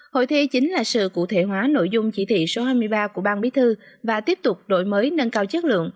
hội thi chính là sự cụ thể hóa nội dung chỉ thị số hai mươi ba của ban bí thư và tiếp tục đổi mới nâng cao chất lượng